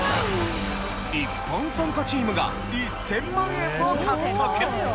一般参加チームが１０００万円を獲得！